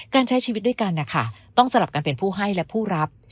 การใช้ชีวิตด้วยกันนะคะต้องสลับกันเป็นผู้ให้และผู้รับ